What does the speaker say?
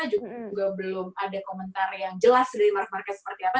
juga belum ada komentar yang jelas dari mark market seperti apa